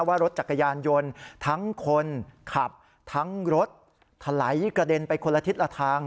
ว่ารถจักรยานยนต์ทั้งคนขับทั้งรถถลายกระเด็นไปคนละทิศละทาง